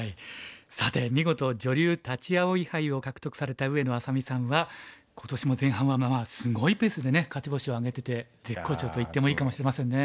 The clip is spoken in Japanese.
さて見事女流立葵杯を獲得された上野愛咲美さんは今年も前半はすごいペースでね勝ち星を挙げてて絶好調と言ってもいいかもしれませんね。